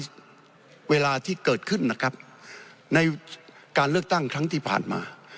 เวลาที่เกิดขึ้นนะครับในการเลือกตั้งครั้งที่ผ่านมา